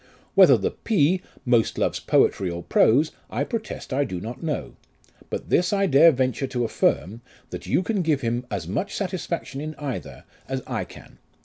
Whether the P most loves poetry or prose, I protest I do not know ; but this I dare venture to affirm, that you can give him as much satisfaction in either as I can.